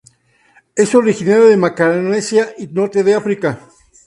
Es originario de Macaronesia y norte de África.